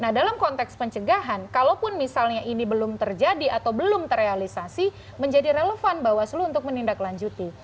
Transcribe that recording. nah dalam konteks pencegahan kalaupun misalnya ini belum terjadi atau belum terrealisasi menjadi relevan bawaslu untuk menindaklanjuti